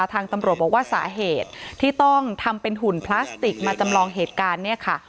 ทางตำรวจบอกว่าสาเหตุที่ต้องทำเป็นหุ่นพลาสติกมาจำลองเหตุการณ์เนี่ยค่ะ